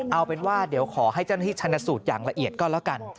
เอาเป็นว่าเดี๋ยวขอให้เจ้าหน้าที่ชนสูตรอย่างละเอียดก็แล้วกัน